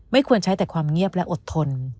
ควรใช้แต่ความเงียบและอดทน